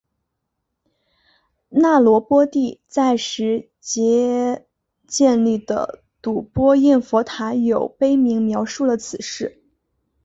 那罗波帝在实皆建立的睹波焰佛塔有碑铭描述了此事。